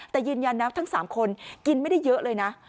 แต่ยืนยันนะทั้ง๓คนกินไม่ได้เยอะเลยนะ